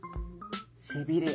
背びれ。